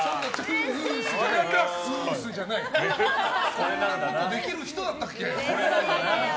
こんなのできる人だったっけ。